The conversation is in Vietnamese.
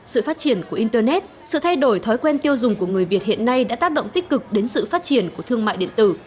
sự phát triển của internet sự thay đổi thói quen tiêu dùng của người việt hiện nay đã tác động tích cực đến sự phát triển của thương mại điện tử